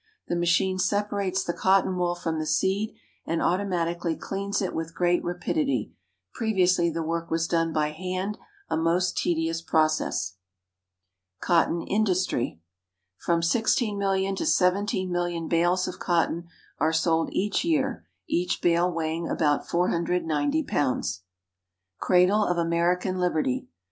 The machine separates the cotton wool from the seed, and automatically cleans it with great rapidity. Previously, the work was done by hand, a most tedious process. =Cotton Industry.= From 16,000,000 to 17,000,000 bales of cotton are sold each year, each bale weighing about 490 lbs. =Cradle of American Liberty.